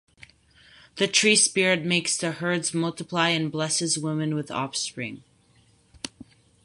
The tree-spirit makes the herds multiply and blesses women with offspring.